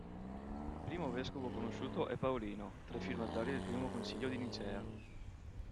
Primo vescovo conosciuto è Paolino, tra i firmatari del primo concilio di Nicea.